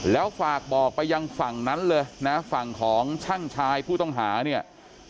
แล้วฝากบอกไปยังฝั่งนั้นเลยนะฝั่งของช่างชายผู้ต้องหาเนี่ย